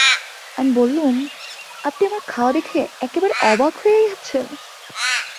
আমি বললুম, আপনি আমার খাওয়া দেখে একেবারে অবাক হয়ে গেছেন।